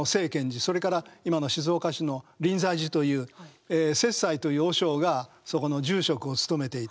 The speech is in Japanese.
それから今の静岡市の臨済寺という雪斎という和尚がそこの住職を務めていた。